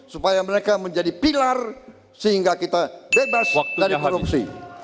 supaya mereka menjadi pilar sehingga kita bebas dari korupsi